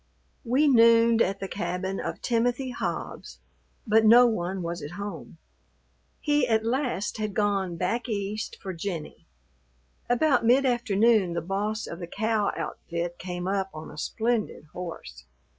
We nooned at the cabin of Timothy Hobbs, but no one was at home; he at last had gone "back East" for Jennie. About mid afternoon the boss of the cow outfit came up on a splendid horse.